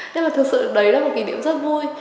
thế mà thực sự đấy là một kỷ niệm rất vui